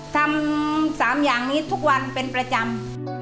ทำ๓อย่างนี้ทุกวันเป็นประจำ